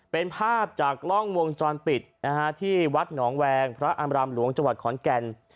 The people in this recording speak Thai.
เป็นภาพจากร่องมวงจรปิดนะฮะที่วัดหนองแวงพระอำรำหลวงจขอนแกน